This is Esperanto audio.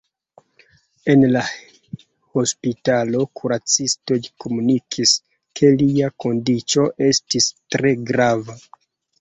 En la hospitalo, kuracistoj komunikis, ke lia kondiĉo estis tre grava.